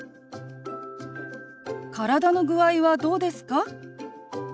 「体の具合はどうですか？」。